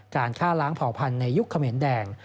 การฆ่าล้างเผ่าพันธุ์ในยุคเขมรแดง